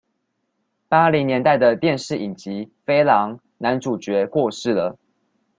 八零年代的電視影集《飛狼》男主角過世了